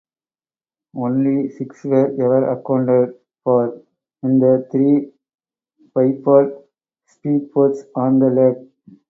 Only six were ever accounted for, in the three bipod speedboats on the lake.